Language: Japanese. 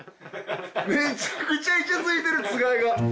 めちゃくちゃイチャついてるつがいが。